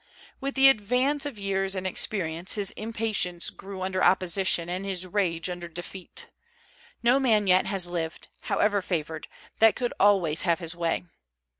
With the advance of years and experience, his impatience grew under opposition and his rage under defeat. No man yet has lived, however favored, that could always have his way.